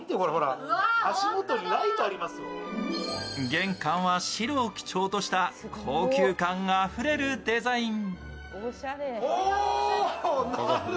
玄関は白を基調とした高級感あふれるデザイン。